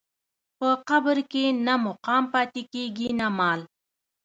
په قبر کې نه مقام پاتې کېږي نه مال.